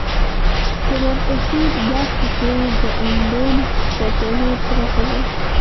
په مرکزي برخه کې د امبون پاچاهي پرته وه.